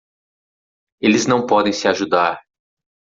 Eles não podem se ajudar.